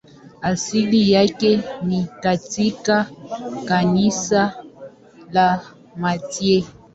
Asili yake ni katika kanisa la Mt.